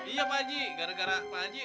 iya pak haji gara gara pak haji